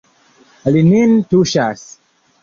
Li nin tuŝas.